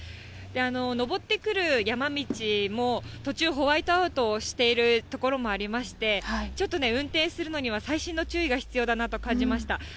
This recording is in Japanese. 上ってくる山道も、途中、ホワイトアウトをしている所もありまして、ちょっとね、運転するのには、細心の注意が必要だなと感じました。